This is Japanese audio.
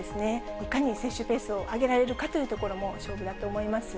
いかに接種ペースを上げられるかというところも勝負だと思います。